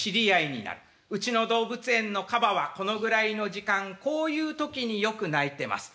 「うちの動物園のカバはこのぐらいの時間こういう時によく鳴いてます」。